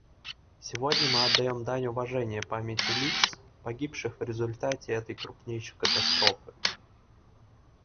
Сегодня мы отдаем дань уважения памяти лиц, погибших в результате этой крупнейшей катастрофы.